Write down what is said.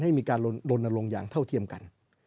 ให้มีการลนลงอย่างเท่าเทียมกัน